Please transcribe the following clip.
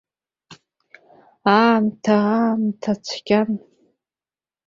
Аамҭа, аамҭа цәгьан.